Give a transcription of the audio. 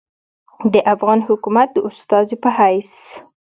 د افغان حکومت د استازي پۀ حېث